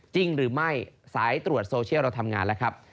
จริงหรือไม่สายตรวจโซเชียลเราทำงานแล้วครับ